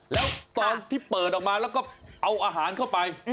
แล้วตอนที่เปิดออกมาแล้วก็เอาอาหารเข้าไป